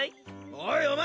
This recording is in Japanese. おいお前！